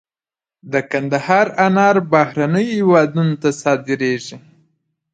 د کندهار انار بهرنیو هیوادونو ته صادریږي.